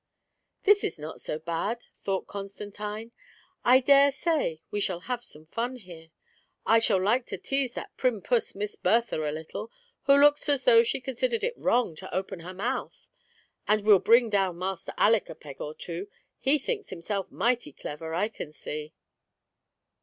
"This is not so bad," thought Constantine; "I dare say we'U have some fun here. I shall like to tease that prim puss Miss Bertha a little, who looks as though she considered it wrong to open her mouth; and we'll bring down Master Aleck a peg or two — he thinks himself mighty clever, I can see."